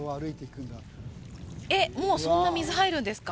えっもうそんな水入るんですか？